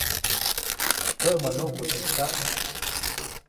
Käʼmäʼ nuʼku teʼ tsaʼ.